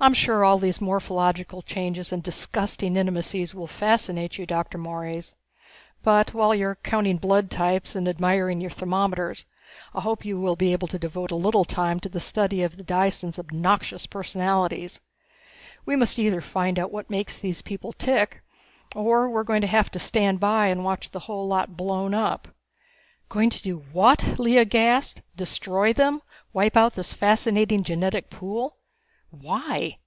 I'm sure all these morphological changes and disgusting intimacies will fascinate you, Dr. Morees. But while you are counting blood types and admiring your thermometers, I hope you will be able to devote a little time to a study of the Disans' obnoxious personalities. We must either find out what makes these people tick or we are going to have to stand by and watch the whole lot blown up!" "Going to do what!" Lea gasped. "Destroy them? Wipe out this fascinating genetic pool? Why?